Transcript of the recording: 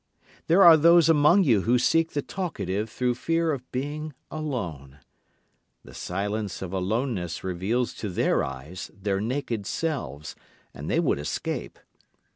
There are those among you who seek the talkative through fear of being alone. The silence of aloneness reveals to their eyes their naked selves and they would escape.